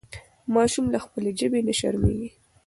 ماشوم له خپلې ژبې نه شرمېږي.